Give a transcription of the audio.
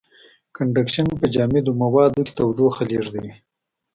کنډکشن په جامدو موادو کې تودوخه لېږدوي.